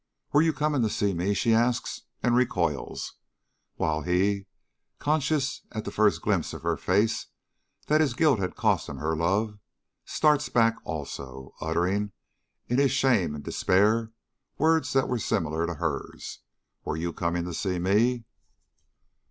'Were you coming to see me?' she asks, and recoils, while he, conscious at the first glimpse of her face that his guilt has cost him her love, starts back also, uttering, in his shame and despair, words that were similar to hers, 'Were you coming to see me?'"